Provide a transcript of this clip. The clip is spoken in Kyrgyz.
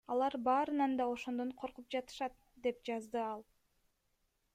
Алар баарынан да ошондон коркуп жатышат, — деп жазды ал.